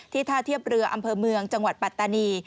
ท่าเทียบเรืออำเภอเมืองจังหวัดปัตตานี